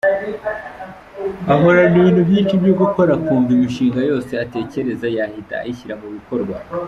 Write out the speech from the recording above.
Ahorana ibintu byinshi byo gukora, akumva imishinga yose atekereza yahita ayishyira mu bikorwa.